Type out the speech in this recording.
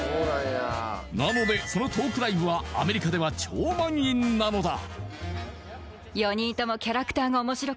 なのでそのトークライブはアメリカでは超満員なのだ！